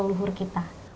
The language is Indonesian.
para leluhur kita